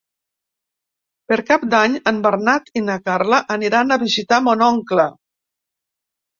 Per Cap d'Any en Bernat i na Carla aniran a visitar mon oncle.